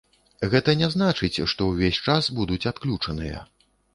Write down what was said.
Гэта не значыць, што ўвесь час будуць адключаныя.